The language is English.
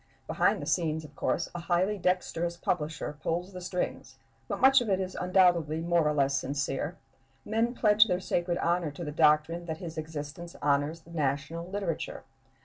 Behind the scenes, of course, a highly dexterous publisher pulls the strings, but much of it is undoubtedly more or less sincere; men pledge their sacred honor to the doctrine that his existence honors the national literature.